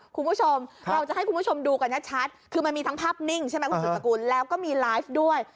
คุณผู้ชมเราจะให้คุณผู้ชมดูกันชัดคือมันมีทั้งภาพนิ่งใช่ไหมคุณสุดสกุลแล้วก็มีไลฟ์ด้วย